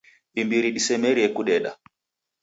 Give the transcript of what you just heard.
Imbiri disemerie kudeda